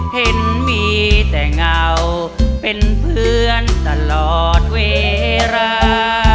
เห็นมีแต่เงาเป็นเพื่อนตลอดเวลา